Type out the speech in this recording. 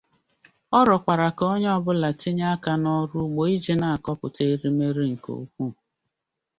Ọrịọkwara ka onye ọbụla tinye aka na ọlụ ugbo iji na kọpụta erimeri nke ugwuu.